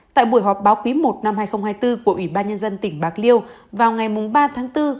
tại buổi họp báo quý i năm hai nghìn hai mươi bốn của ủy ban nhân dân tỉnh bạc liêu vào ngày ba tháng bốn